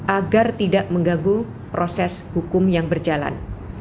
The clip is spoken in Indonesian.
agar tidak mengganggu proses hukum yang berjalan